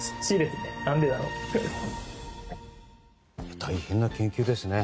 大変な研究ですね。